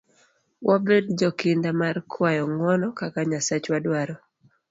Wabed jo kinda mar kwayo ng'uono kaka Nyasachwa dwaro.